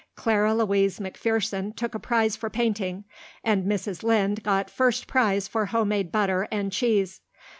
Clara Louise MacPherson took a prize for painting, and Mrs. Lynde got first prize for homemade butter and cheese.